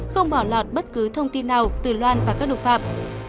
không bỏ lọt bất cứ thông tin nào từ loan và các đục phạm